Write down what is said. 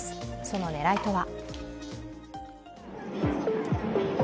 その狙いとは。